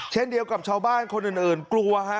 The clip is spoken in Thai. เช่นเดียวกับชาวบ้านคนอื่นกลัวฮะ